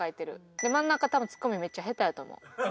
で真ん中多分ツッコミめっちゃ下手やと思う。